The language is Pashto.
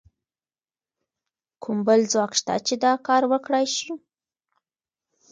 کوم بل ځواک شته چې دا کار وکړای شي؟